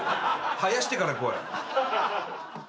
生やしてから来い。